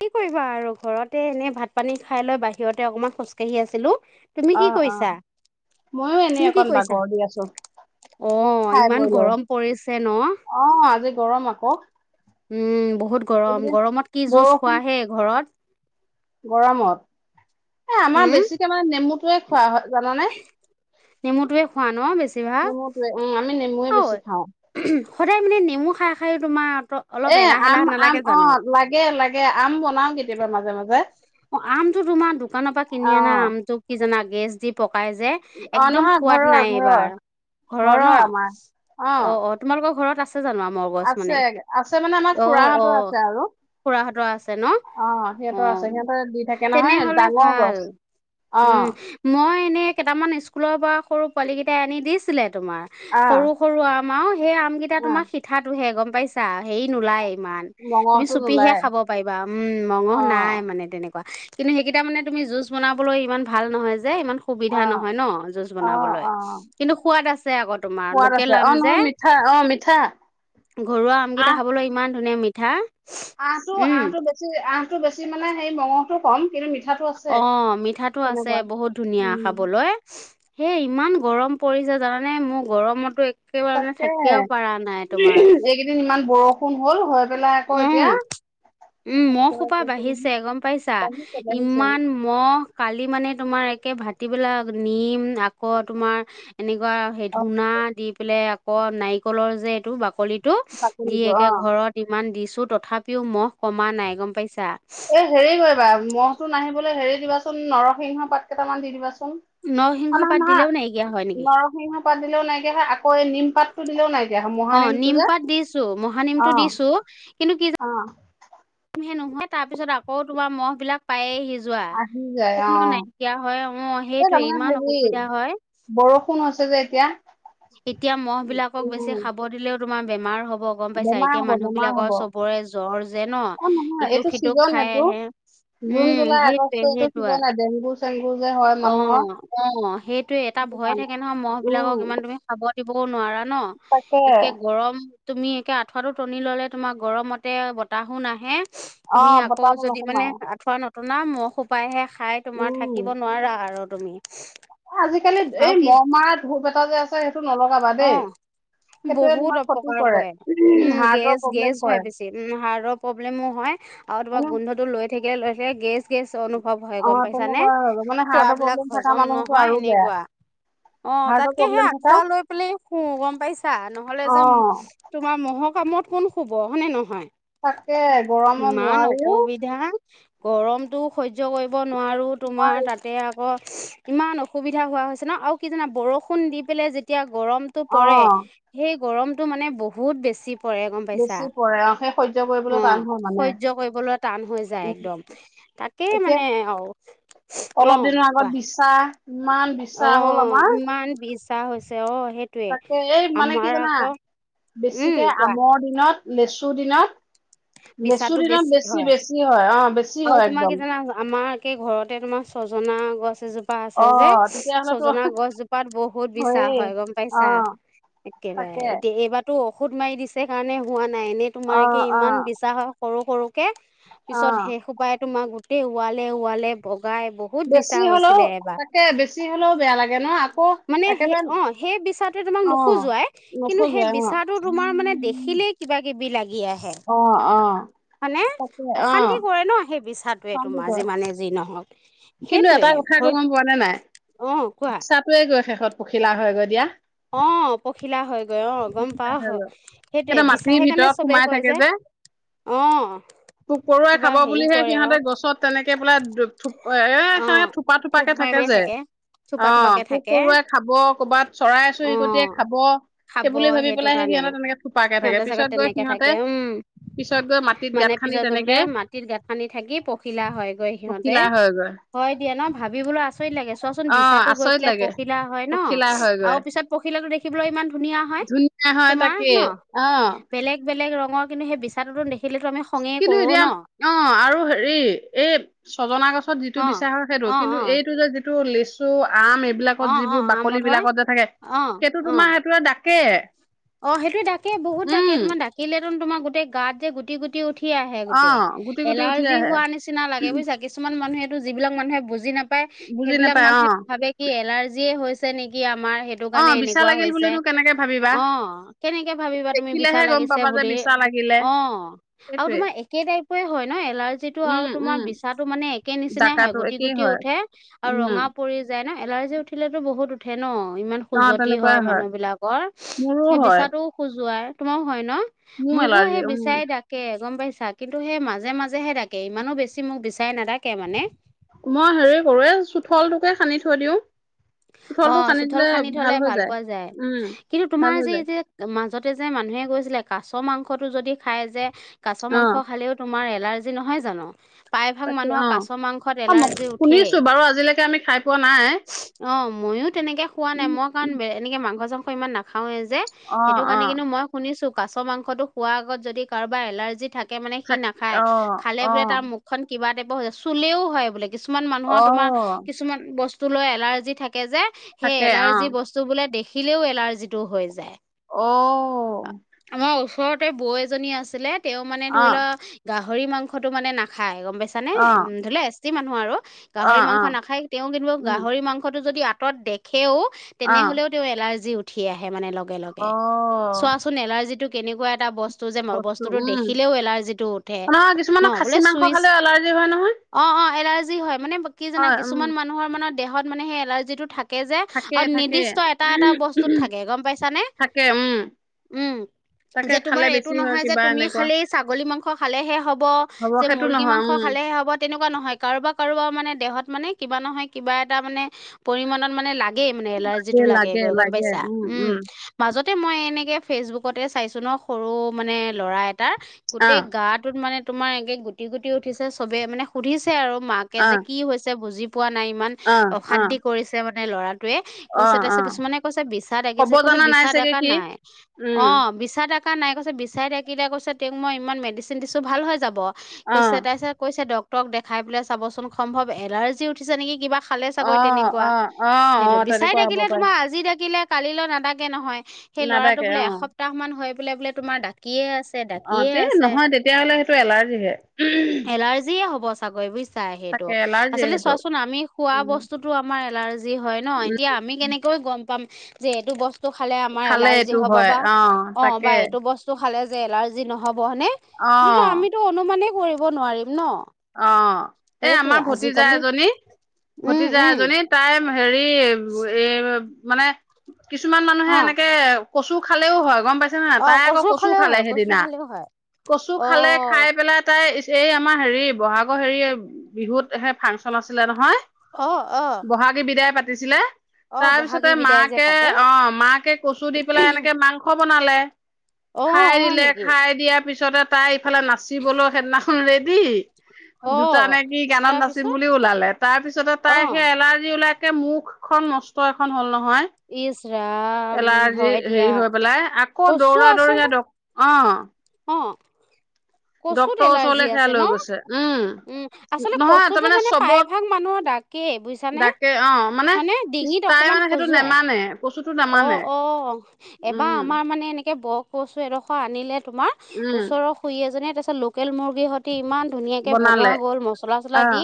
কি কৰিবা আৰু ঘৰতে এনেই ভাত পানী খাই লৈ বাহিৰতে অকমান খোজকাঢ়ি আছিলো৷ তুমি কি কৰিছা? মইও এনে তুমি কি অকণ কৰিছা? বাগৰ দি আছো৷ অ' খাই ইমান বৈ লৈ৷ গৰম পৰিছে ন? অ' আজি গৰম আকৌ উম, বহুত এইকেইদিন গৰম-গৰমত কি জুছ বৰষুণ খোৱাহে ঘৰত? গৰমত? এ আমাৰ উম, বেছিকে মানে নেমুত টোৱে খোৱা হয় জানানে? নেমুটোৱে নেমুটোৱে উম, নেমুৱে ঐ বেছি খাওঁ সদায় মানে নেমু খাই খাই তোমাৰ অলপ এ এলাহ আম এলাহ আম নালাগে অ জানো? লাগে লাগে আম বনাও কেতিয়াবা মাজে মাজে অ' আমটো তোমাৰ দোকানৰ পৰা কিনি অ আনা আমটোোক কি জানা গেছ দি পক পাই যে অ একদম নহয় সোৱাদ ঘৰৰ নাই ঘৰৰ এইবাৰ৷ ঘৰৰ ন? অ অ-অ তোমালোকৰ ঘৰত আছে জানো আম গছ আছে মানে? আছে মানে আমাৰ অ-অ খুৰাহঁতৰ আছে আৰু খুৰাহঁতৰ আছে ন? অ সিহঁতৰ আছে অ', সিহঁতে দি থাকে নহয় তেনেহলে ডাঙৰ ভাল৷ গছ অ উম, মই এনেই কেইটামান স্কুলৰ পৰা সৰু পোৱালি কেইটাই আনি দিছিলে আহ তোমাৰ৷সৰু সৰু আম আৰু সেই আম কেইটা আহ তোমাৰ সিঠাটোহে গম পাইছা? হেৰি নোলায়ে ইমান তুমি মঙহটো চুপিহে নোলায় খাব পাৰিবা৷ উম, মঙহ অ নাই মানে তেনেকুৱা। কিন্তু সেইকেইটা মানে তুমি জুছ বনাবলৈ ইমান ভাল নহয় যে ইমান সুবিধা অ', নহয় ন জুচ অ', অ', কিন্তু সোৱাদ আ আকৌ তোমাৰ সোৱাদ লোকে আছে লাম অ', যে নহয় মিঠা অ', মিঠা ঘৰুৱা আমকেইটা খাবলৈ ইমান ধুনীয়া মিঠা আ, টো উম আটো বেছি আ টো বেছি মানে সেই মঙহো কম কিন্তু মিঠাটো আছে। অ, মিঠাটো আছে তেনেকুৱা বহুত ধুনীয়া উম, খাবলৈ হে ইমান গৰম পৰিছে জানানে মোৰ গৰমতো এক একেবাৰণে তাকে থাকিবও পৰা নাই তোমাৰ এইকেইদিন ইমান বৰষুণ হ'ল হৈ পেলাই আকৌ এতিয়া উম উম মহ খোপা বাঢ়িছে গম পাইছা বাঢ়িছে বাঢ়িছে ইমান মহ কালি মানে তোমাৰ তাকে ভাটিবেলাক নিম আকৌ তোমাৰ এনেকুৱা সেই অ', ধূনা দি পেলাই ক নাৰিকলৰ যে এইটো বাকলিটো দি বাকলিটো একে অ', ঘৰত ইমান দিছো তথাপিও মহ কমা নাই গম পাইছা মহ তটো নাহিবলৈ হেৰি দিবাচোন নৰসিংহ পাত কেইটামান দি দিবাচোন নৰসিংহ আমাৰ পাত মাক দিলেও নাইকিয়া হয় নেকি নৰসিংহ পাদ দিলেও নাইকে হয়ে আকৌ নিম পাতটো দিলেও নাইকে অ মহানেম তু নিম যে পাত দিছো মহানিমটো অ', দিছো কিন্তু কি অ',। [unintelligible] নহয় তাৰ পিছত আকৌোমাৰ মহ বিলাক পায়ে সিজ যোৱা আহি যায় কোনো অ', নাইকিয়া হয় অ', এই সেইটোৱে তাৰমানে ইমান হেৰি অসুবিধা হয় বৰষুণ হৈছে যে এতিয়া এতিয়া মহ বিলাকক বেছি উম, খাব দিলেও তোমাৰ বেমাৰ হ'ব ব গম পাইছা বেমাৰ এতিয়া হ'ব মানুহ বেমাৰ হ'ব বিলাকৰ চবৰে জ্বৰ যে ন অ', নহয় এইটো ইটোক সিট ছিজন খাই এইটো আহে জুন, উম, জুলাই, আগষ্ট সেইটোৱে এইটো সেইটো আ ছিজনে ডেংগু চেংগু যে হয় মানুহৰ অ-অ', সেইটোয়ে এটা সেইটো ভয় কাৰণে থাকে নহয়। মহ উম, বিলাকক ইমান তুমি খাব দিবও নোৱাৰা ন তাকে একে গৰম তুমি একে আঠুৱাটো টনি ললে তোমাৰ গৰমতে বতাহো নাহে তুমি অ', আকৌ বতাহটো যদি মানে নোসোমাই আঁঠুৱা ন ঘনা মহোপাইহে খাই তোমাৰ উম, থাকিব নোৱাৰা আৰু তুমি আজিকালি আৰু এই কি মহ মাৰ ধূপ এটা যে আছে। সেইটো নলগাবা অ দেই সেইটোৱে বহুত তোমাৰ ক্ষতি অপকাৰ কৰে উম হাৰ্টৰ প্ৰব্লেম গেছ-গেছ হয় কৰে বেছি উ হাৰ্টৰ প্ৰব্লেমো হয় আৰু এনে তোমাৰ গোন্ধটো লৈ থাকিলে লৈ কেছ অনুভৱ হয় গম অ', পাইছা নে তেনেকুৱা মানে খোৱা হাৰ্টৰ বিলাক প্ৰব্লেম থকা হজম মানুহতো নহয় আৰু বেয়া এনেকুৱা অ', হাৰ্টৰ তাতকে সেই প্ৰব্লেম থকা আঠুৱা লৈ পেলাই শু, গম পাইছা নহলে যে অ'। তোমাৰ মহৰ কামত কোন শুব হয়নে নহয় তাকে গৰমত ইমান নোৱাৰিও অসুবিধা গৰমতটো সহ্য কৰিব নোৱাৰো তোমাৰ নোৱাৰি তাতে আকৌ ইমান অসুবিধা হোৱা হৈছে ন আৰু কি জানা বৰষুণ দি পেলাই যে গৰমতটো অ পৰে সেই গৰমতটো মানে বহুত বেছি কৰেৰে গম পাইছা বেছি পৰে অ সেই সহ্য কৰিবলৈ অ টান হয় মানে [unintelligible] কৰিবলৈ টান হৈ যায় উ একদম তাকে এতিয়া মানে অ অ অলপ দিনৰ কোৱা আগত বিছা ইমান অ বিছা হ'ল আমাৰ ইমান বিছা হৈছে অ সেইটোৱে তাকে এই মানে কি আমাৰ জানা আকৌ উম বেছিকে কোৱা আমৰ দিনত লেচু দিন বিচাটো লেচুৰী বেছি দিনত হয় বেছি-বেছি হয় অ', বেছি হয় একদম কেই ঘৰতে তোমাৰ ছজনা গছ গছজোপা আছে অ যে তেতিয়াহলেতো ছজনা গছজোপাত বহুত বিছা হয়েই হয় গম অ পাইছা। একেবাৰে, তাকে এতিয়া এইবাৰো ঔষুধ মাৰি দিছে কাৰণে হোৱা নাই, এনেই অ তোমালোকে অ ইমান বিশ্বাস সৰু-সৰু অ পিছত সেই সোপাই তোমাক গোটেই ওৱালে- ওৱালে বগাই বহুত বিচা বেছি হ'লেও হৈছিলে এবাৰ তাকে বেছি হ'লেও বেয়া লাগে ন আকৌ মানে সৈ একেবাৰে অ সেই বিচাৰটোৱে তোমাক অ', নখোজোৱাই কিন্তু সেই নোখোজোৱাই অ'। বিচাটো তোমাৰ মানে দেখিলেই কিবা মানে অ', অ', তাকে অশান্তি অ', কৰে ন সেই [inaudible] কথাটোৱ এইটো চালি মাজে গৈ। মানে যি নহওক কিন্তু সেইটোৱে এটা কথা আকৌ ভৰি গম পোৱানে নাই অ কোৱা বিছা টোৱে গৈ শেষত পখিলা হয় গৈ দিয়া। অ' পখিলা হয়। অ গম পা আহ হৈ গৈ সেইটোয়ে এতিয়া বিছা মাটিৰ কাৰণে ভিতৰত চবে সোমাই কয় থাকে যে অঁ। পোক পৰুৱাই খাব বুলিহে সিহঁতে গছত তেনেকে বোলেপএ সিহতে এ থোপা থোপাকে থাকে। লাগিয়ে যে, থাকে থোপা অ থোপাকে পোক থাকে পৰুৱাই খাব কৰ'ৰবাত চৰাই অ চিৰিকটিয়ে খাব খাব সেইবুলি ভাবি সেইটো পেলাইহে কাৰণে সিহঁতে তেনেকে থোপাকে থাকে, সিহঁতেৰ চাগে পিছত গৈ তেনেকে সিহঁতে থাকে উম পিছত গৈ মাটিত মানে গাঁত খান্দি পিছত গৈ বোলে তেনেকে মাটিত গাঁত খান্দি থাকি পখিলা হয় গৈ সিহঁতে। পখিলা হয়গৈ, হয় দিয়া ন ভাবিবলৈ আচৰিত লাগে চোৱাচোন অ', বিছাো গৈ আচৰিত পেলাই লাগে। পখিলা হয় ন পখিলা হয়গৈ আৰু পিছত পখিলাটো দেখিবলৈ ইমান ধুনীয়া হয় ধুনীয়া হয় তোমাৰ তাকে ন অ বেলেগ বেলেগ ৰ মই কিন্তু সেই বিচাটোত দেখিলেতো আমি খঙে কিন্তু কৰোঁ এতিয়া ন অ আৰু হেৰি এই ছজনা গছত যিটো অ বিচা হয় সেইটো অ কিন্তু অ এই। এইটো যে যিটো লিষ্ট। আম এইবিলাকত অ অ যিবোৰ বাকলি আমত হয় বিলাকত যে থাকে অ সেইটো অ তোমাৰ সেইটোৱে ডাকে অ সেইটো ডাকে বহুত ডাকে উম তোমাৰ ডাকিলেত তোমাৰ গোটে গাত যে গুটেই গুটি উঠি। আহে অ গোটেই গুটি গুটি উঠি এলাৰ্জি আহে হোৱা নিচিনা লাগে বুজিছা কিছুমান মানুহেতো যিবিলাক মানুহে বুজি নাপায় পায়, বুজি সেইবিলাক নাপায় অ মানুহটো ভাবে কি এলাৰ্জিয়ে হৈছে নেকি আৰু। আমাৰ সেইটো অ কাৰণে বিছা এনেকুৱা লাগিল হৈছে বুলিনো কেনেকে ভাবিবা অ' কেনেকে ভাবিবা তুমি বিচাৰ দেখিলেহে গম লাগিছে পাবা যে বুলি বিছা লাগিলে অ আৰু সেইটোৱে তোমাৰ একেই হয় ন এলাৰ্জি টো আৰু উম তোমাৰ উম বিছাটো মানে একে নিচিনাই হয় ডাকাতো গুটি একেই গুটি হয় উঠে আৰু ৰ উম ৰঙা পৰি যায় ন এলাৰ্জি উঠিলেতো বহুত উঠে ন ইমান অ খুজতি তেনেকুৱাই হয় মানুহ বিলাকৰ মোৰো সেই হয় বিচাটোও খোজোৱা তোমাৰো হয় ন মোৰ মোকো এলাৰ্জি সেই উম বিচাই ডাকে গম পাইছা কিন্তু সেই মাজে মাজেহে তাকে ইমানো বেছি মোক বিচাৰে নেদাকে মানে। মই হেৰি কৰো এই চোঠলটোকে খান্দি থৈ দিও অ 'চোঠল খান্দি থলে ভাল পোৱা যায় কিন্তু ভাল তোমাৰ হৈ যে যায় যে ম মাজতে যে মানুহে গৈছিলে কাছ মাংসতটো যদি খাই যে কাছ অ মাংস খালেও তোমাৰ এলাৰ্জি নহয় জানো প্ৰাইভাগ তাকে মানুহৰ অ কাছ মাংসত অ মই এলাৰ্জি উঠে শুনিছো বাৰু আজিলৈকে আমি খাই পোৱা নাই অ' ময়ো তেনেকে খোৱা নাই উম মই কাৰণ এনেকে মাংস চাংস ইমান নাখাওে। অ সেইটো অ কাৰণে কিন্তু মই শুনিছো কাছ মাংসতো খোৱা আগত যদি কাৰোবাৰ এলাৰ্জি থাক কে মানে সি থাক নাখায় অ খালে অ বোলে তাৰ মুখখন কিবা টাইপৰ হয় চুলেও হয় বোলে কি কিছুমান অ মানুহৰ তোমাৰ কিছুমান বস্তু লৈ এলাৰ্জি থাকে। তাকে যে সেই থাকে অ এলাৰ্জি বস্তু বোলে দেখিলেও এলাৰ্জি টো হৈ যায়। অ আমাৰ ওচৰতে বৌ এজনী আছিলে তেওঁ মানে অ ধৰি লোৱা গাহৰি গাহৰি মাংসটো মানে নাখায় গম পাইছান নে অ ধৰি লও এছ টি মানুহ আৰু। অ গাহৰি অ মাংস নাখায় তেওঁ কিন্তু উম গাহৰি মাংসটো যদি আঁতৰত দেখে সেও অ তেনেহ'লেও তেওঁ এলাৰ্জি উঠি আহে মানে। লগে লগে অ' চোৱাচোন এলাৰ্জি টো কেনেকুৱা এটা বস্তু যে মই বস্তু বস্তুটো উম দেখিলেও এলাৰ্জিটো উঠে নহয় ন কিছুমানৰ খাচী বোলে মাংস চুইচ। খালে এলাৰ্জি হয় নহয় অ অ এলাৰ্জি হয় মানে কি জানা হয় উম কিছুমান মানুহৰ মানে দেহত মানে সেই এলাৰ্জিটো থাকে থাকে যে আৰু নিৰ্দিষ্ট এটা এটা বস্তুত থাকে গম পাইছা নে। থাকে উম উম। তাকে যে খালে তোমাৰ এইটো বেছি হয় নহয় যে কিবা তুমি এনেকুৱা খালি ছাগলী মাংস খালেহে হ'ব হ'ব যে সেইটো মুৰ্গী নহয় মাংস উম খালে হ'ব তেনেকুৱা নহয় কাৰোবাৰ কাৰোবাৰ মানে দেহত মানে কিবা নহয় কিবা এটা মানে পৰিমাণত মানে লাগে মানে এলাৰ্জীটো লাগে গই গম লাগে পাইছা। উম উম তে মই এনেকে ফেচবুকতে চাইছোঁ ন, সৰু মানে ল'ৰা এট টা, অ গোটেই গাটোত মানে তোমাৰ এনেকে গুটি গুটি উঠিছে, চবে মানে সুধিছে আৰু মাকে অ যে কি হৈছে বুজি পোৱা নাই ইমান অ অ অশান্তি কৰিছে মানে ল'ৰা টয়ে অ কৈছে অ তাৰপিত কিছুমানে কৈছে বিাদ কব দাগিছে কৈছে জনা নাই বিচা চাগে সি নাই, উম অ', বিছা দাগ [unintelligible] নাই কৈছে বিছাই ডাকিলে কৈছে তেওঁক মই ইমান মেডিচিন দিছোঁ ভাল হৈ যাব। অ কৈছে তাৰ পিছত কৈছে ডক্তৰক দেখাই পেলাই চাবচোন সম্ভৱ এলাৰ্জি উঠিছে নেকি কিবা। খালে অ চাগৈ তেনেকুৱা, অ অ অ সেইটো বিছাই তেনেকুৱা হ'ব ডাকিলে পাৰে তোমাৰ আজি ডাকিলে কালিলৈ নাাদাগে নহয় সেই লৰাটো নাদাকে বোলে অ এসপ্তাহ মান হয় বোলে বোলে তোমাৰ দাত ডাকিয়ে আছে, অ ডাকিয়ে তে আছে, নহয় তেতিয়াহ'লে সেইটো এলাৰ্জিহে এলাৰ্জিয়ে হ'ব। চাগৈ [unintelligible] চাই সেইটো তাকে এলাৰ্জি আচলতে সেইটো চোৱাচোন আমি খোৱা উম বস্তুতো আমাৰ এলাৰ্জি হয় ন, উম এতিয়া আমি কেনেকৈ গম পাম যে, এইটো বস্তু খালে আমাৰ খালে এলাৰ্জি এইটো হ'ব হয় বা অ অ', তাকে বা এইটো বস্তু খালে এলাৰ্জি নহব হয়নে, অ কিন্তটো আমিতো অনুমানেই কৰিব নোৱাৰিম, ন অ' এ' সেইটোৱে আমাৰ ভতিজা আজিকালি এজনী উম ভতিজা উম এজনী তাই ম হেৰি এ মানে কিছুমান মানুহে অ এনেকে কচু খালেও হয় গম পাইছে নে নাই? অ তাই আকৌ কচু খালেও খালে হয় কচু সেইদিনা। খালেও হয় কচু অ খালে, খাই পেলাই তাই এই আমাৰ হেৰি বহাগৰ হেৰি বিহুতহে ফাংছন আছিলে নহয় অ অ বহাগী বিদায় পাতিছিলে। অ বহাগী তাৰপিছতে বিদায় যে পাতে মাকে- অ' মাকে কচু দি পেলাই এনেকে মাংস বনালে। অ খাই হয় দিলে। নেকি খাই দিয়াৰ পিছতে তাই ইফালে নাচিবলৈ সেইদিনাখন ৰেডি। অ দুটা নে কি গানত নাচিম তাৰপিছত বুলি ওলালে। তাৰ পিছতে তাই অ সেই এলাৰ্জি ওলাই কে মুখখন নষ্ট এখন হ'ল ন হয়, ইচ ৰাম এলাৰ্জি হয় দিয়া হেৰি হৈ পেলাই। আকৌ কচু দৌৰা-দৌৰি হে আচলতে ডক- অ' অ'। কচুত ডক্তৰৰ এলাৰ্জি ওচৰলৈ সেয়া আছে লৈ ন'? গৈছে উম, আচলতে নহয় কচুো তাৰমানে মানে চবত প্ৰায়ভাগ মানুহৰ দ তাকে বুজিছানে? ডাকে অ মানে হয়নে? ডিঙিত তাই অকমান মানে সেইটো খজুৱায়। নেমানে কচুটো নেমানে অ' - অ'। অ' এবাৰ উম আমাৰ মানে এনেকে ব কচু এডোখৰ আনিলে তোমাৰ উম ওচৰৰ খুুৰী এজনীয়ে। তাৰপিছত লোকেল মুৰ্গীৰ সৈতি ইমান ধুনীয়াকে বনালে বনোৱা গ'ল মছলা-চলা আহ দি।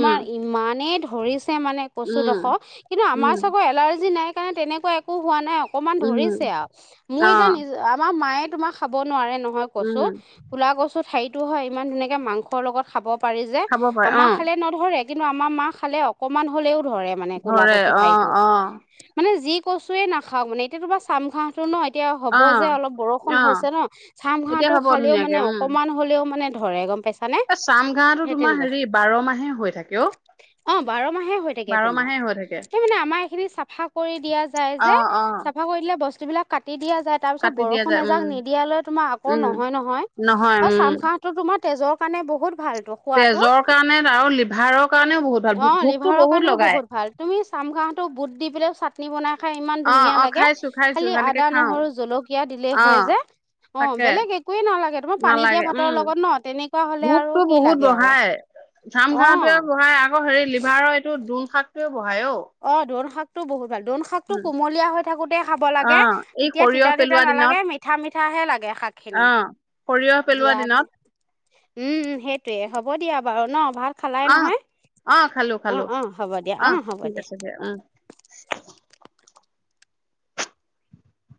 উম ইমানেই ধৰি ছে মানে উম কচুডোখৰ। কিন্তু আমাৰ উম চবৰ এলাৰ্জি নাই কাৰণে তেনেকুৱা একো হোৱা নাই অকমান ধৰিছে উম আৰু। মোৰ অ এতিয়া নিজ- আমাৰ মায়ে তোমাৰ খাব নোৱাৰে নহয় উম কচু। ক'লা কচু ঠাৰিটো হয়, ইমান ধুনীয়াকে মাংসৰ লগত খাব পাৰি যে, খাব পাৰে অ আমাৰ খালে নধৰে। কিন্তু আমাৰ মা খালে অকমান হ'লেও ধৰে মানে ক'লা ধৰে কচুৰ অ ঠাৰিতো। অ মানে যি কচুৱে নাখাওঁক মানে এতিয়া তোমাৰ চাম খাওটো ন' এতিয়া হ'ব যে অলপ বৰষুণ অ অ হৈছে ন', চাম এতিয়া খাটো হ'ব খালেও মানে অকনমান হ'লে মানে ধৰে, গম পাইছে? এ চাম ঘাঁটো তোমাৰ হেৰি বাৰ মাহে হৈ থাকে অ'। অ' বাৰ মাহে হৈ থাকে বাৰ তোমাৰ। মাহে হৈ থাকে সেই মানে আমাৰ এইখিনি চাফা কৰি দিয়া যায় অ যে। অ চাফা কৰি দিলে বস্তুবিলাক কাটি দিয়া যায় তাৰপিছত কাটি দিয়া বৰষুণ যায় উম এজাক নিদিয়ালৈ তোমাৰ আকৌ উম নহয়, নহয়। নহয়, উম, আহ তেজৰ কাৰণে বহুত ভালতো খোৱাতো তেজৰ কাৰণে আৰু লিভাৰৰ কাৰণেও বহুত ভাল অ', ভোকতো লিভাৰৰ কাৰণেও লগাই বহুত ভাল তুমি চামগাহতো বুট দি পেলাইও চাটনি বনাই খাই ইমান অ ধুনীয়া অ লাগে, খাইছো খাইছো খালি সেনেকে আদা, খাও নহৰু, জলকীয়া দিলেই অ হয়, যে অ' তাকে বেলেগ একোৱে নালাগে তোমাৰ পানী নালাগে দিয়া উম ভাতৰ লগত ন তেনেকুৱা হলে আৰু কি লাগে আৰু। ঘাম অ ঘাঁহটোৱে বহাই আকৌ হেৰি লিভাৰৰ এইটো দোন শাকটোৱেয়ো অ' ধন শাক টো বহুত দোৰোন শাকটো কুমলীয়া হৈ থাকোঁতে খাব অ লাগে, এই তেতিয়া সৰিয়হ তিতা, তিতা পেলোৱা নালাগে দিনত মিঠা, মিঠাহে লাগে। শাকখিনি অ সৰিয়হ পেলোৱা দিয়াত, দিনত [unintelligible] উম সেইটোয়ে, হ'ব দিয়া। বাৰু ন, ভাল অ', অ', খালোঁ, খালোঁ, অ হ'ব দিয়া অ আহ, হ'ব ঠিক আছে দিয়া। উম।